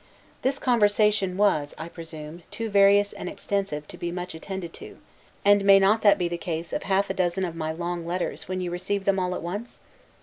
This conversation was, I presume, too various and extensive to be much attended to: and may not that be the case of half a dozen of my long letters, when you receive them all at once?